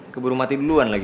keburu mati duluan lagi